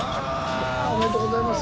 おめでとうございます。